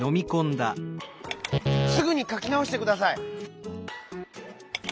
「すぐにかきなおしてください」。